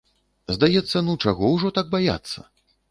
Здаецца, ну чаго ўжо так баяцца?